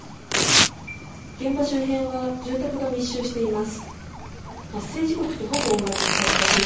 現場周辺は住宅が密集しています。